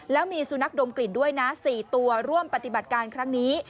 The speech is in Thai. แล้วมีสุนัขดมกลิ่นด้วยนะ๔ตัวร่วมปฏิบัติการครั้งนี้